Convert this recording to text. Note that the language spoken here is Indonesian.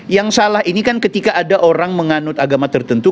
yang salah ini kan ketika ada orang menganut agama tertentu